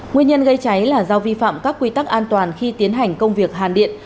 nguyên nhân gây cháy là do vi phạm các quy tắc an toàn khi tiến hành công việc hàn điện